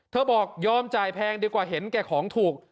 บอกยอมจ่ายแพงดีกว่าเห็นแก่ของถูก